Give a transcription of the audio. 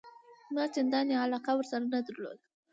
ما چنداني علاقه ورسره نه درلوده.